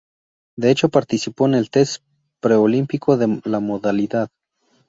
De hecho participó en el test preolímpico de la modalidad.